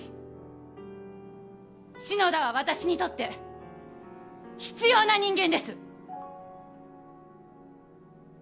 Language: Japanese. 篠田は私にとって必要な人間です！